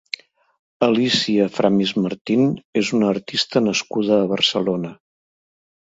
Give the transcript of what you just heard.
Alícia Framis Martín és una artista nascuda a Barcelona.